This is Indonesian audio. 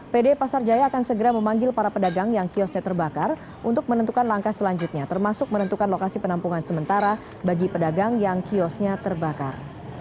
pd pasar jaya akan segera memanggil para pedagang yang kiosnya terbakar untuk menentukan langkah selanjutnya termasuk menentukan lokasi penampungan sementara bagi pedagang yang kiosnya terbakar